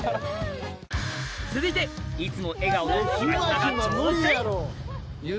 続いていつも笑顔のひまひまが挑戦！